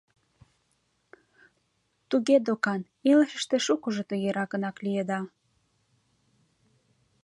Туге докан, илышыште шукыжо тыгеракынак лиеда.